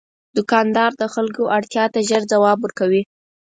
دوکاندار د خلکو اړتیا ته ژر ځواب ورکوي.